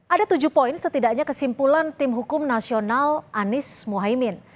ada tujuh poin setidaknya kesimpulan tim hukum nasional anies mohaimin